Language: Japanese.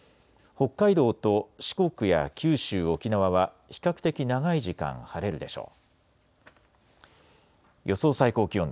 北海道と四国や九州、沖縄は比較的長い時間、晴れるでしょう。